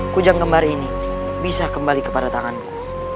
kujang kembar ini bisa kembali kepada tanganku